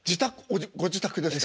ご自宅ですか？